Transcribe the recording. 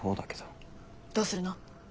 どうするの？